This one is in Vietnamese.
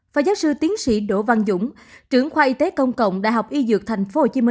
phó giáo sư tiến sĩ đỗ văn dũng trưởng khoa y tế công cộng đại học y dược tp hcm